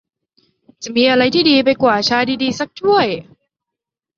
จะมีอะไรที่ดีไปกว่า ชาดี ๆ สักถ้วย ?